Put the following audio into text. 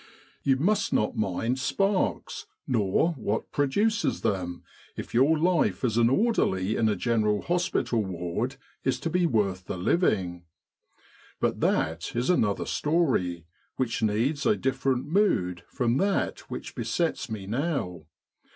You must not mind sparks, nor what produces them, if your life as an orderly in a General Hospital ward is to be worth the living. But that is another story, which needs a different mood from that which besets me now.